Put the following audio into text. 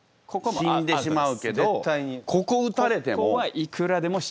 死んでしまうけどここ撃たれても。